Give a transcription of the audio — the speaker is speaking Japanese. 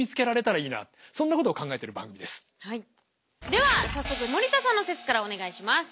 では早速森田さんの説からお願いします。